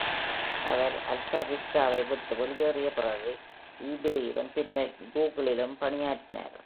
அவர் AltaVista-வை விட்டு வெளியேறிய பிறகு eBayவிலும் பின்னர் Google-ம் பணியாற்றினார்.